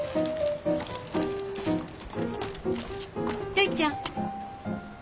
るいちゃん。